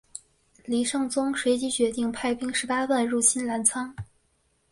黎圣宗随即决定派兵十八万入侵澜沧。